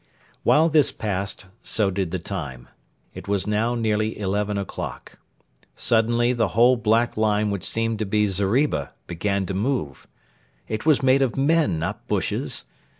While this passed, so did the time. It was now nearly eleven o'clock. Suddenly the whole black line which seemed to be zeriba began to move. It was made of men, not bushes.